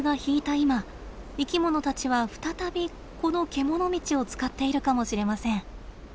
今生きものたちは再びこの獣道を使っているかもしれません。